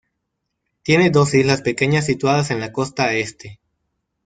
Tiene dos islas pequeñas situadas en la costa este.